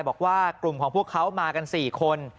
บอกว่ากลุ่มของพวกเขามากัน๔คน